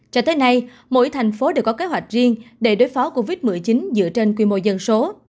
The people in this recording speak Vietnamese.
cho tới nay mỗi thành phố đều có kế hoạch riêng để đối phó covid một mươi chín dựa trên quy mô dân số